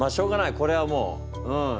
これはもううん。